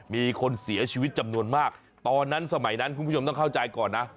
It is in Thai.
มีคนเสียชีวิตจำนวนมากตอนนั้นสมัยนั้นคุณผู้ชมต้องเข้าใจก่อนนะ